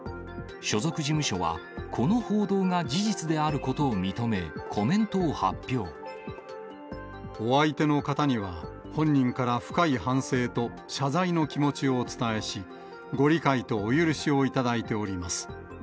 所属事務所は、この報道が事実であることを認め、お相手の方には、本人から深い反省と謝罪の気持ちをお伝えし、ご理解とお許しをいただいております。